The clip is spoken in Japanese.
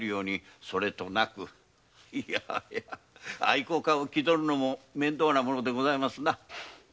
愛好家を気取るのも面倒なものでございますな。